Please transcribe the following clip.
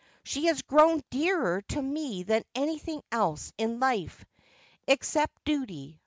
She has grown dearer to me than anything else in life, except duty.